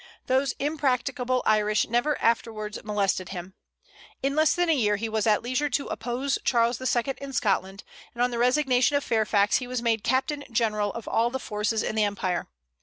Those impracticable Irish never afterwards molested him. In less than a year he was at leisure to oppose Charles II. in Scotland; and on the resignation of Fairfax he was made Captain General of all the forces in the empire.